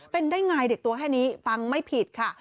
เป็นได้ไงเด็กตัวแค่นี้ฟังไม่ผิดค่ะ